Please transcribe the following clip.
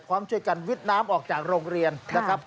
พร้อมช่วยกันวิทย์น้ำออกจากโรงเรียนนะครับ